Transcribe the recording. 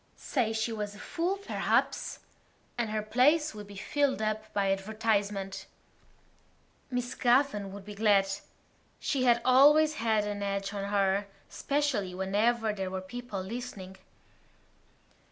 Say she was a fool, perhaps; and her place would be filled up by advertisement. Miss Gavan would be glad. She had always had an edge on her, especially whenever there were people listening.